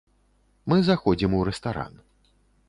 Мы заходзім у рэстаран.